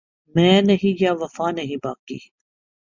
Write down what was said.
میں نہیں یا وفا نہیں باقی